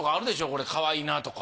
これかわいいなとか。